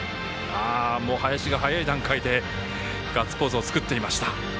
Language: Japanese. もう林が早い段階でガッツポーズを作っていました。